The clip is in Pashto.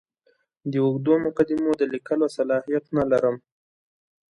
د اوږدو مقدمو د لیکلو صلاحیت نه لرم.